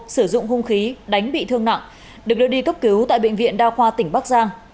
sử dụng hung khí đánh bị thương nặng được đưa đi cấp cứu tại bệnh viện đa khoa tỉnh bắc giang